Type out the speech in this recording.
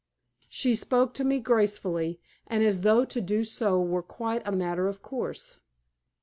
She spoke to me graciously, and as though to do so were quite a matter of course.